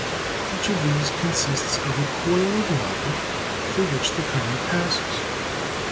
Each of these consists of a coil of wire through which the current passes.